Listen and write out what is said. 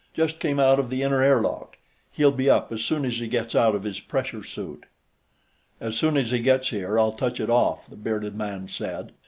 "Just came out of the inner airlock. He'll be up as soon as he gets out of his pressure suit." "As soon as he gets here, I'll touch it off," the bearded man said.